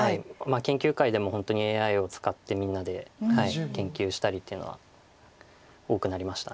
研究会でも本当にＡＩを使ってみんなで研究したりっていうのは多くなりました。